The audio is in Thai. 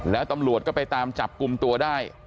แล้วตำรวจก็ไปตามจับกลุ่มตัวได้